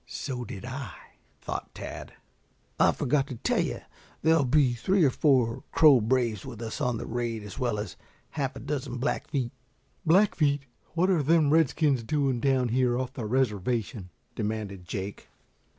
"So did I," thought Tad. "I forgot to tell you that there'll be three or four Crow braves with us on the raid as well as half a dozen Blackfeet?" "Blackfeet? What are them redskins doing down here, off the reservation?" demanded Jake.